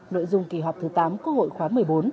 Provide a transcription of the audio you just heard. nội dung kỳ họp thứ tám quốc hội khóa một mươi bốn